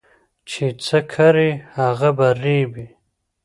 چي څه کرې هغه به رېبې